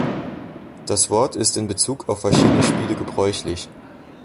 Das Wort ist in Bezug auf verschiedene Spiele gebräuchlich.